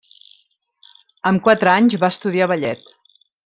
Amb quatre anys va estudiar ballet.